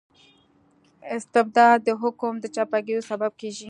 استبداد د حکوم د چپه کیدو سبب کيږي.